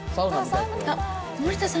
あっ森田さん